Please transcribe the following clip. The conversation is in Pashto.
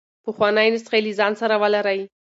پخوانۍ نسخې له ځان سره ولرئ.